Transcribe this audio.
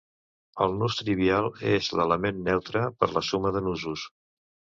El nus trivial és l'element neutre per la suma de nusos.